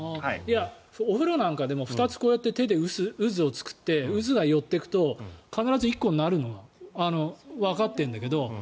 お風呂なんかでも２つ、手で渦を作って渦が寄っていくと必ず１個になるのはわかっているんだけど。